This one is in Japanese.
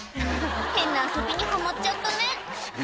変な遊びにハマっちゃったね